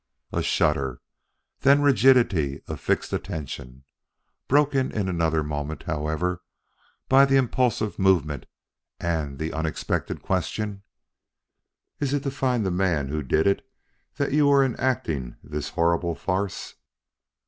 A shudder, then the rigidity of fixed attention, broken in another moment, however, by an impulsive movement and the unexpected question: "Is it to find the man who did it that you are enacting this horrible farce?"